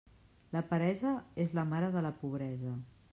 La peresa és la mare de la pobresa.